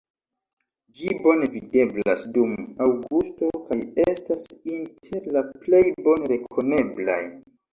Ĝi bone videblas dum aŭgusto kaj estas inter la plej bone rekoneblaj.